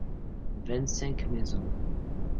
ving cinq maisons.